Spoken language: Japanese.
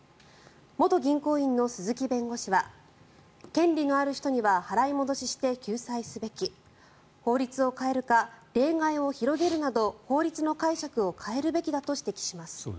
元銀行員の鈴木弁護士は権利のある人には払い戻しして救済すべき法律を変えるか例外を広げるなど法律の解釈を変えるべきだと指摘します。